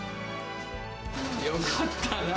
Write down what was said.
よかったな。